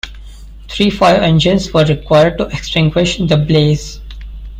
Three fire engines were required to extinguish the blaze.